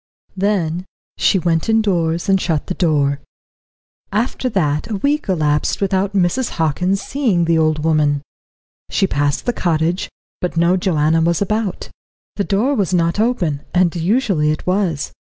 Then she went indoors and shut the door. After that a week elapsed without Mrs. Hockin seeing the old woman. She passed the cottage, but no Joanna was about. The door was not open, and usually it was.